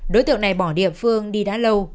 đối tượng này bỏ địa phương đi đã lâu